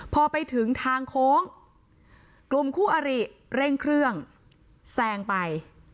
พอไปถึงทางโค้งกลุ่มคู่อริเร่งเครื่องแซงไป